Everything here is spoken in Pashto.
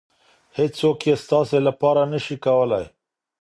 هېڅوک یې ستاسې لپاره نشي کولی.